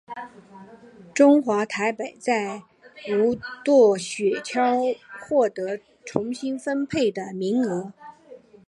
中华台北在无舵雪橇获得重新分配的名额。